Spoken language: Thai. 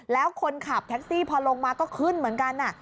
แล้วคนขับแท็กซี่พอลงมาก็ขึ้นเหมือนกัน